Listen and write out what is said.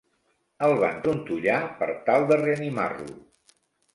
El van trontollar per tal de reanimar-lo.